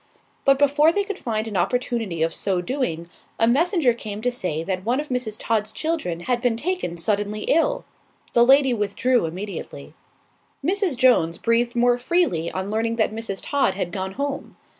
But before they could find an opportunity of so doing, a messenger came to say that one of Mrs. Todd's children had been taken suddenly ill. The lady withdrew immediately. Mrs. Jones, breathed more freely on learning that Mrs. Todd had gone home.